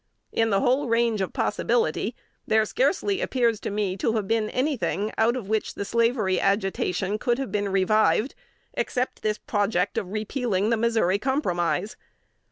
In the whole range of possibility, there scarcely appears to me to have been any thing out of which the slavery agitation could have been revived, except the project of repealing the Missouri Compromise.